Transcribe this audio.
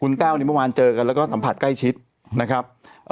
คุณแต้วนี่เมื่อวานเจอกันแล้วก็สัมผัสใกล้ชิดนะครับ